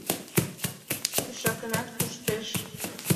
Тушакынак пуштеш.